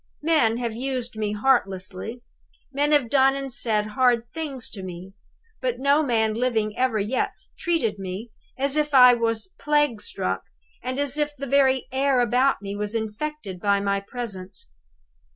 Men have used me heartlessly; men have done and said hard things to me; but no man living ever yet treated me as if I was plague struck, and as if the very air about me was infected by my presence!